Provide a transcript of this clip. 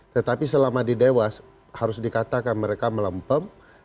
tetapi selama didewas harus dikatakan mereka melempem